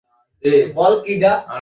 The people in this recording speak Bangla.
ড্রোনগুলোর মালিক তো আপনিই।